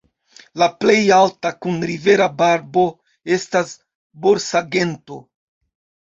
La plej alta, kun rivera barbo, estas borsagento.